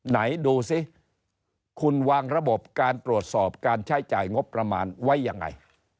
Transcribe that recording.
ไหนดูสิคุณวางระบบการตรวจสอบการใช้จ่ายงบประมาณไว้ยังไง